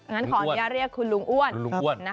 งั้นขออนุญาเรียกคุณลุงอ้วน